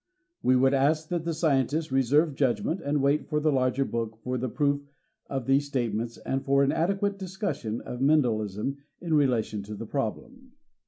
We would ask that the scientist reserve judgment and wait for the larger book for the proof of these statements and for an adequate discussion of Mendelism in relation to the problem.